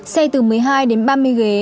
xe từ một mươi hai ba mươi ghế